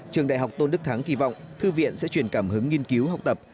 trường đại học tôn đức thắng kỳ vọng thư viện sẽ chuyển cảm hứng nghiên cứu học tập